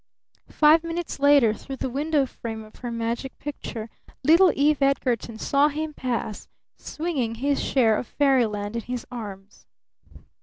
Five minutes later, through the window frame of her magic picture, little Eve Edgarton saw him pass, swinging his share of fairyland in his arms.